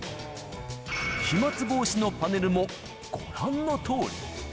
飛まつ防止のパネルもご覧のとおり。